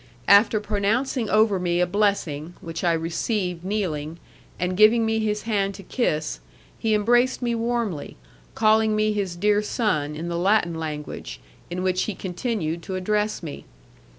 After pronouncing over me a blessing, which I received kneeling, and giving me his hand to kiss, he embraced me warmly, calling me his dear son in the Latin language, in which he continued to address me.